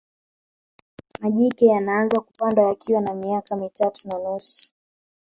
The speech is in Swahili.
majike yanaanza kupandwa yakiwa na miaka mitatu na nusu